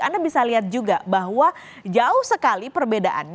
anda bisa lihat juga bahwa jauh sekali perbedaannya